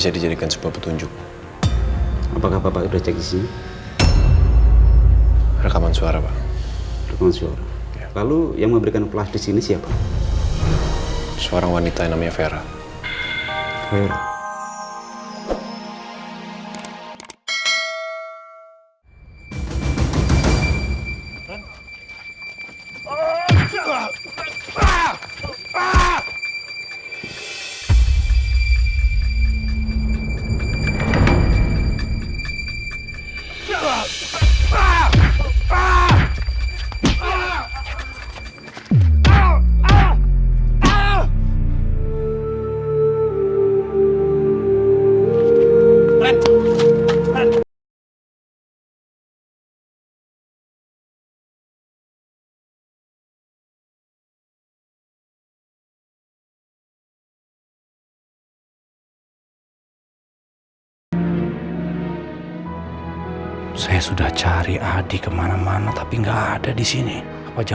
sebaiknya bapak tanyakan langsung ke bagian abin saja